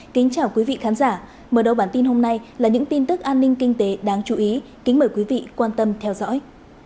kính chào quý vị khán giả mở đầu bản tin hôm nay là những tin tức an ninh kinh tế đáng chú ý kính mời quý vị quan tâm theo dõi